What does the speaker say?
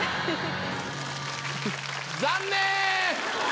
残念！